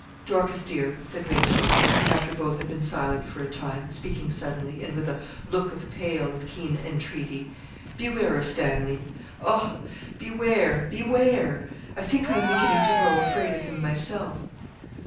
'Dorcas, dear,' said Rachel, after both had been silent for a time, speaking suddenly, and with a look of pale and keen entreaty 'Beware of Stanley oh! beware, beware. I think I am beginning to grow afraid of him myself.'